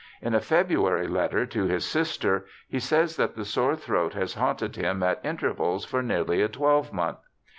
In a February letter to his sister he says that the sore throat has haunted him at intervals for nearly a twelvemonth.